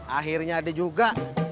akhirnya ada juga